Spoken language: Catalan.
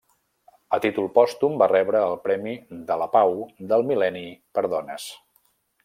A títol pòstum va rebre el Premi de la Pau del Mil·lenni per Dones.